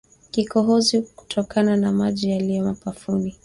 Kikohozi kutokana na maji yaliyo mapafuni